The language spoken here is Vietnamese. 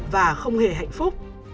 và không hề hạnh phúc